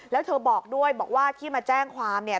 แล้วเธอบอกด้วยบอกว่าที่มาแจ้งความเนี่ย